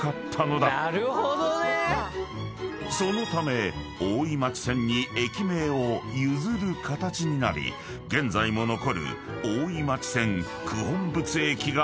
［そのため大井町線に駅名を譲る形になり現在も残る大井町線九品仏駅が誕生］